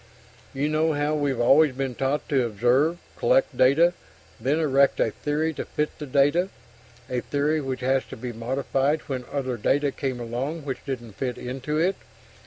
You know how we've always been taught to observe, collect data, then erect a theory to fit the data, a theory which has to be modified when other data came along which don't fit into it.